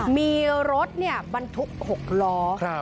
มีรถบรรทุก๖ล้อ